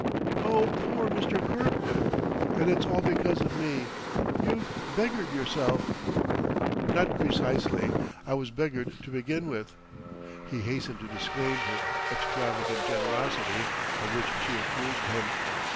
"Oh, poor Mr. Kirkwood! And it's all because of me! You've beggared yourself " "Not precisely; I was beggared to begin with." He hastened to disclaim the extravagant generosity of which she accused him.